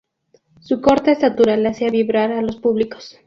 Su corta estatura le hacía vibrar a los públicos.